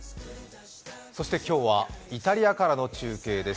そして今日はイタリアからの中継です。